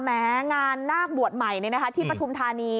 แม้งานนาคบวชใหม่ที่ปฐุมธานี